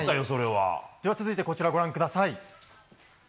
続いて、こちらご覧ください。